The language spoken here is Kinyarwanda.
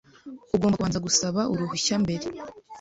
Ugomba kubanza gusaba uruhushya mbere.